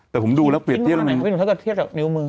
แต่ผมดูแล้วเทียบถ้าเทียบแบบนิ้วมือ